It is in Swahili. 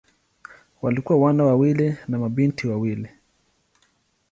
Walikuwa wana wawili na mabinti wawili.